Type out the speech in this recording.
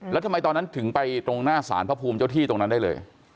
แล้วทำไมตอนนั้นถึงไปตรงหน้าสารพระภูมิเจ้าที่ตรงนั้นได้เลย